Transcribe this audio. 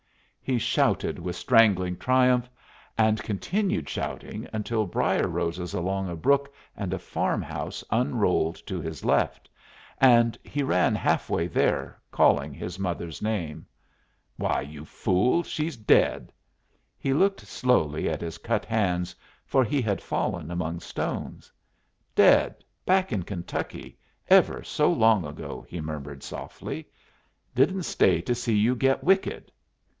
He shouted with strangling triumph, and continued shouting until brier roses along a brook and a farm house unrolled to his left, and he ran half way there, calling his mother's name. "Why, you fool, she's dead!" He looked slowly at his cut hands, for he had fallen among stones. "Dead, back in Kentucky, ever so long ago," he murmured, softly. "Didn't stay to see you get wicked."